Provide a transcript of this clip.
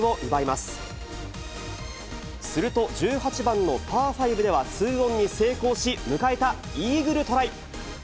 すると、１８番のパー５ではツーオンに成功し、迎えたイーグルトライ。